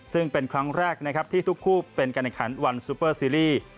ซึ่งเป็นครั้งแรกนะครับที่ทุกคู่เป็นการแข่งขันวันซูเปอร์ซีรีส์